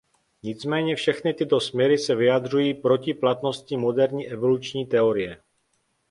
Nicméně všechny tyto směry se vyjadřují proti platnosti moderní evoluční teorie.